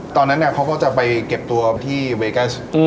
ตอนนั้นเขาก็จะไปเก็บตัวที่เวกัส